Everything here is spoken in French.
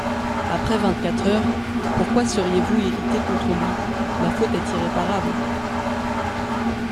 »Après vingt-quatre heures, pourquoi seriez-vous irrité contre lui ? Ma faute est irréparable.